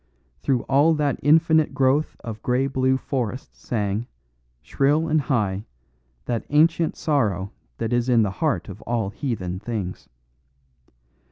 Through all that infinite growth of grey blue forests sang, shrill and high, that ancient sorrow that is in the heart of all heathen things.